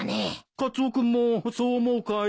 カツオ君もそう思うかい？